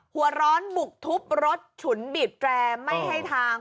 หัวร้อนบุกทุบรถฉุนบีบแตรไม่ให้ทาง